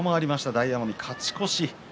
大奄美が勝ち越し。